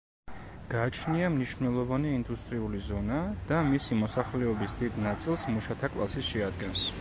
გააჩნია მნიშვნელოვანი ინდუსტრიული ზონა და მისი მოსახლეობის დიდ ნაწილს მუშათა კლასი შეადგენს.